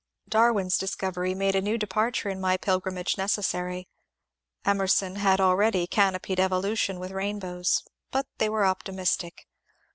Darwin's discovery made a new departure in my pilgrimage necessary. Emerson had already canopied Evolution with rainbows, but they were optimistic.